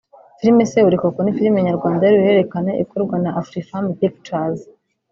Filime Seburikoko ni filime nyarwanda y’uruhererekane ikorwa na Afrifame Pictures